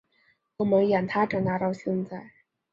我们养他长大到现在